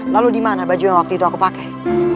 lalu di mana baju yang waktu itu aku pakai